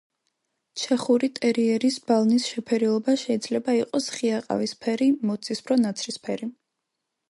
ჩეხური ტერიერის ბალნის შეფერილობა შეიძლება იყოს ღია ყავისფერი, მოცისფრო-ნაცრისფერი.